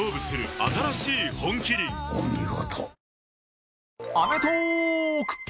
お見事。